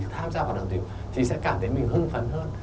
tham gia hoạt động tình dục thì sẽ cảm thấy mình hưng phấn hơn